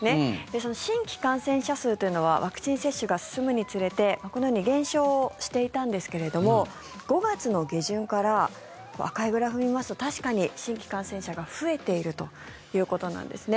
その新規感染者数というのはワクチン接種が進むにつれてこのように減少していたんですけれども５月の下旬から赤いグラフを見ますと確かに新規感染者が増えているということなんですね。